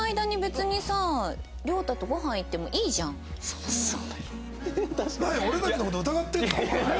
そうそう。